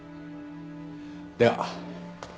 では。